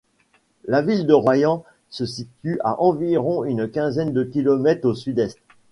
La ville de Royan se situe à environ une quinzaine de kilomètres au sud-est.